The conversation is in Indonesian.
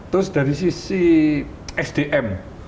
terus dari sisi sdm